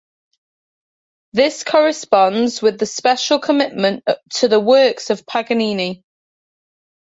This corresponds with his special commitment to the works of Paganini.